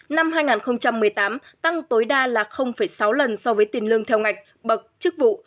năm hai nghìn một mươi tám tăng tối đa là sáu lần so với tiền lương theo ngạch bậc chức vụ